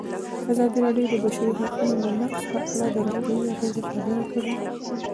ازادي راډیو د د بشري حقونو نقض په اړه د روغتیایي اغېزو خبره کړې.